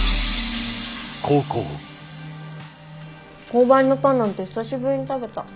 購買のパンなんて久しぶりに食べた。